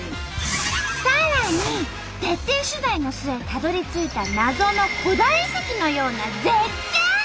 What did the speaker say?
さらに徹底取材の末たどりついたナゾの古代遺跡のような絶景！